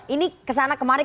ini kesana kemarin